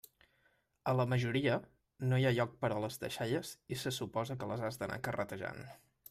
A la majoria, no hi ha ni lloc per a les deixalles i se suposa que les has d'anar carretejant.